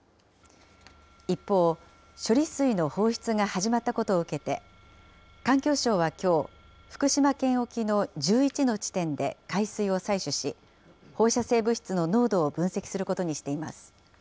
一方、処理水の放出が始まったことを受けて、環境省はきょう、福島県沖の１１の地点で海水を採取し、放射性物質の濃度を分析することにしています。